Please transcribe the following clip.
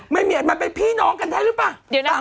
ได้มัดไปพี่น้องกันใช่หรือปะ